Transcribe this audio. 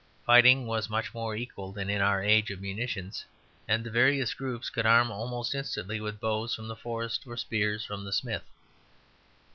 Fighting was much more equal than in our age of munitions, and the various groups could arm almost instantly with bows from the forest or spears from the smith.